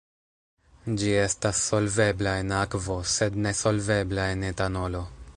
Ĝi estas solvebla en akvo, sed nesolvebla en etanolo.